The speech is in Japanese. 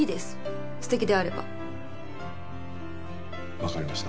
わかりました。